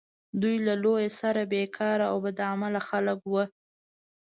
دوی له لویه سره بیکاره او بد عمله خلک وه.